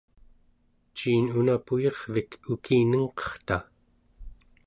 ciin una puyirvik ukinengqerta?